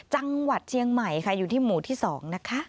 จังหวัดเชียงใหม่ค่ะอยู่ที่หมู่ที่๒นะคะ